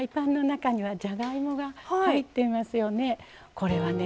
これはね